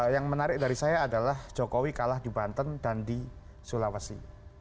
yang menarik dari saya adalah jokowi kalah di banten dan di sulawesi